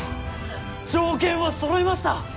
条件はそろいました。